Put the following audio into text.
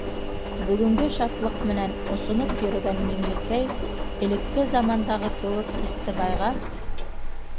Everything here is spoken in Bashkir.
Бөгөнгө шатлыҡ менән осоноп йөрөгән Миңлекәй, элекке замандағы кеүек, Истебайға: